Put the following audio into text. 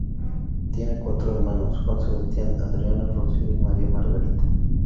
Tiene cuatro hermanos: Juan Sebastián, Adriana, Rocío y María Margarita.